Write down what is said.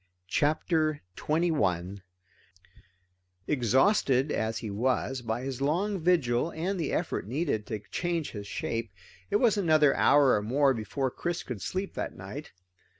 CHAPTER 21 Exhausted as he was by his long vigil and the effort needed to change his shape, it was another hour or more before Chris could sleep that night.